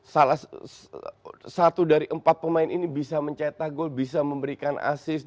salah satu dari empat pemain ini bisa mencetak gol bisa memberikan asis